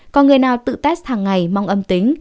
còn người nào tự test hàng ngày mong âm tính